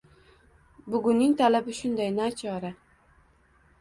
Bugunning talabi shunday, nachora.